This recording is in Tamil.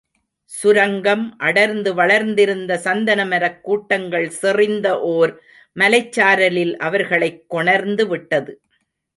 சுரங்கம் அடர்ந்து வளர்ந்திருந்த சந்தனமரக் கூட்டங்கள் செறிந்த ஒர் மலைச் சாரலில் அவர்களைக் கொணர்ந்துவிட்டது.